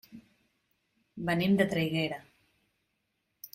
Venim de Traiguera.